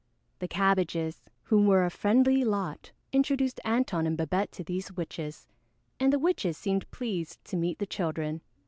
The Cabbages, who were a friendly lot, introduced Antone and Babette to these witches, and the witches seemed pleased to meet the children.